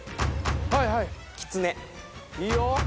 いいよ。